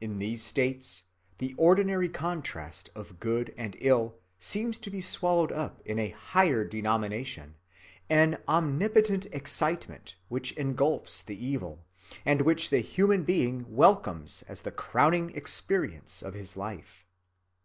In these states, the ordinary contrast of good and ill seems to be swallowed up in a higher denomination, an omnipotent excitement which engulfs the evil, and which the human being welcomes as the crowning experience of his life.